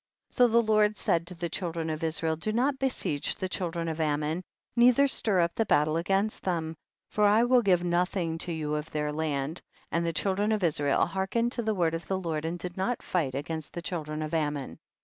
20. So the Lord said to the child ren of Israel, do not besiege the children of Ammon, neither stir up battle against them, for I will give nothing to you of their land, and the children of Israel hearkened to the word of the Lord, and did not fight against the children of Ammon.